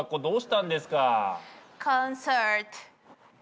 どうしたんですか？